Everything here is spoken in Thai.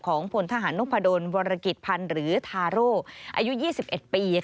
พลทหารนพดลวรกิจพันธ์หรือทาโร่อายุ๒๑ปี